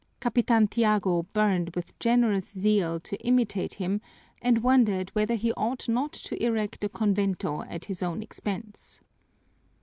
Capitan Tiago burned with generous zeal to imitate him and wondered whether he ought not to erect a convento at his own expense.